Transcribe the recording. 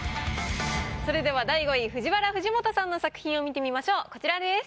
それでは第５位ＦＵＪＩＷＡＲＡ・藤本さんの作品を見てみましょうこちらです。